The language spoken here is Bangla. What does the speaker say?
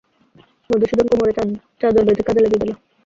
মধুসূদন কোমরে চাদর বেঁধে কাজে লেগে গেল।